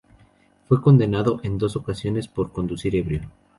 Fue condenado en dos ocasiones por conducir ebrio.